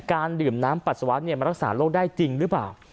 การดื่มน้ำปัสสาวะมันรักษาโรคได้จริงหรือเปล่า